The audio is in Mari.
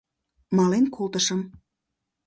— Мален колтышым.